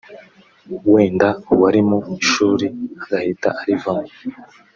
wenda uwari mu ishuri agahita arivamo